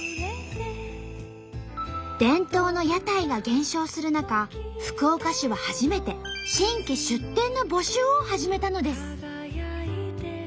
伝統の屋台が減少する中福岡市は初めて新規出店の募集を始めたのです。